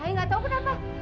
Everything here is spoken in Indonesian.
ayah nggak tahu kenapa